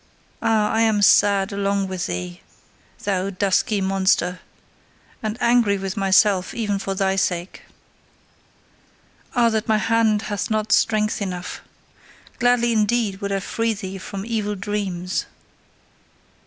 Ah, I am sad along with thee, thou dusky monster, and angry with myself even for thy sake. Ah, that my hand hath not strength enough! Gladly, indeed, would I free thee from evil dreams!